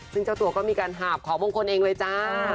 ซึ่งเจ้าตัวก็มีการหาบขอมงคลเองเลยจ้า